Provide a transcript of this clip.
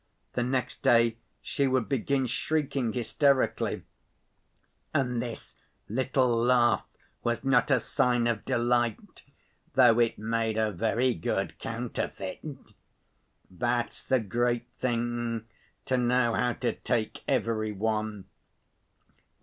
The next day she would begin shrieking hysterically, and this little laugh was not a sign of delight, though it made a very good counterfeit. That's the great thing, to know how to take every one.